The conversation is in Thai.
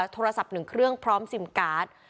โทรศัพท์๑เครื่องพร้อมซิมการ์ด